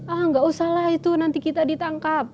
ah nggak usah lah itu nanti kita ditangkap